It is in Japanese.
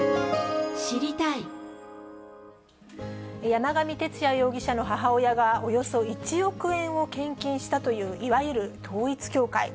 山上徹也容疑者の母親がおよそ１億円を献金したという、いわゆる統一教会。